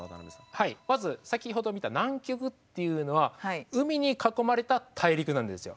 はいまず先ほど見た南極というのは海に囲まれた大陸なんですよ。